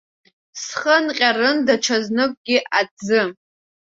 Схы анҟьарын даҽазныкгьы аҭӡы.